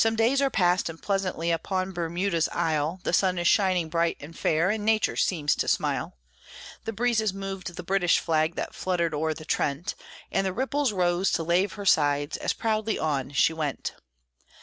Some days are passed, and pleasantly, upon Bermuda's Isle, The sun is shining bright and fair, and nature seems to smile; The breezes moved the British flag that fluttered o'er the Trent, And the ripples rose to lave her sides, as proudly on she went.